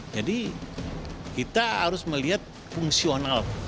jadi kita harus melihat fungsional